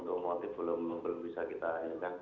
jadi untuk motif belum bisa kita ingat